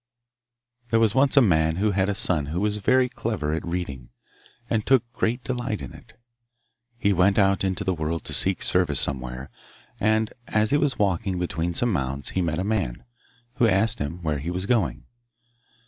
There was once a man who had a son who was very clever at reading, and took great delight in it. He went out into the world to seek service somewhere, and as he was walking between some mounds he met a man, who asked him where he was going.